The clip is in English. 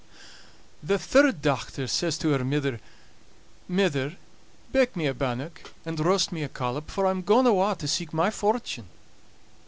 The third dochter says to her mither: "Mither, bake me a bannock, and roast me a collop, for I'm gaun awa' to seek my fortune."